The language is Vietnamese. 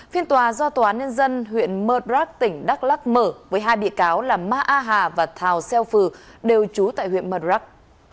phiên tòa do tòa ninh dân huyện murdrag tỉnh đắk lắc mở với hai bị cáo là ma a hà và thào xeo phừ đều trú tại huyện murdrag